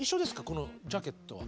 このジャケットは。